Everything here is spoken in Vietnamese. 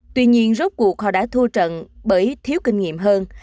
tuy nhiên rốt cuộc họ đã thua trận bởi thiếu kinh nghiệm hơn